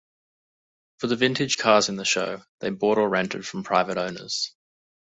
For the vintage cars in the show, they bought or rented from private owners.